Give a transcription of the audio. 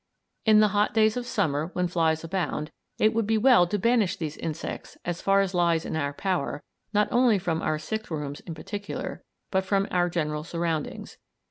In the hot days of summer, when flies abound, it would be well to banish these insects, as far as lies in our power, not only from our sick rooms in particular, but from our general surroundings.